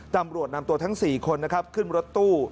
ตำรวจนำตัวทั้ง๔คนขึ้นรถตู้